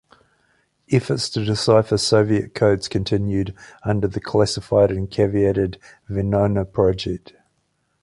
Efforts to decipher Soviet codes continued under the classified and caveated Venona project.